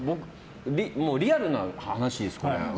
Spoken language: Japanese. リアルな話ですけど。